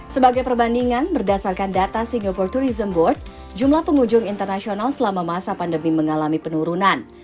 sebagai perbandingan berdasarkan data singapore tourism board jumlah pengunjung internasional selama masa pandemi mengalami penurunan